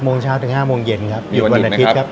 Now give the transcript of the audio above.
โมงเช้าถึง๕โมงเย็นครับหยุดวันอาทิตย์ครับ